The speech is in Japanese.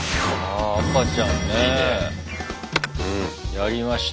やりましたよ。